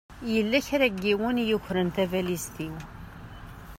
Yella kra n yiwen i yukren tabalizt-iw.